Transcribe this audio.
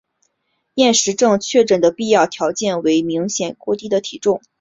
厌食症确诊的必要条件为明显过低的体重。